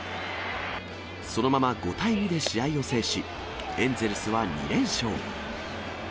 そのまま５対２で試合を制し、エンゼルスは２連勝。